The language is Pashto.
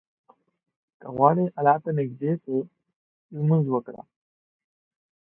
که غواړې الله ته نيږدى سې، لمونځ وکړه.